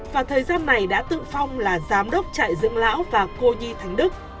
và thời gian này đã tự phong là giám đốc trại dưỡng lão và cô nhi thánh đức